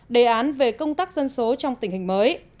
đề án về công tác dân số trong tình hình mới